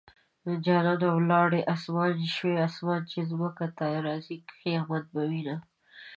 جانانه ولاړې اسماني شوې - اسمان چې ځمکې ته راځي؛ قيامت به وينه